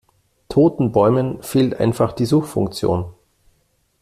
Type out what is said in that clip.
Toten Bäumen fehlt einfach die Suchfunktion.